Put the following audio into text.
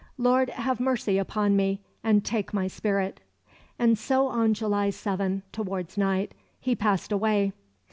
"Lord, have mercy upon me, and take my spirit"; and so on July 7, towards night, he passed away.